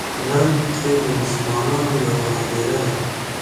لاندې ترې د مسلمانانو یوه هدیره ده.